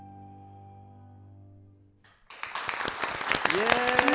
イエーイ！